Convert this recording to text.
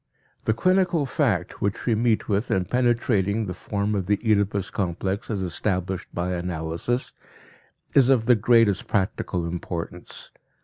The clinical fact which we meet with in penetrating the form of the Oedipus complex as established by analysis, is of the greatest practical importance.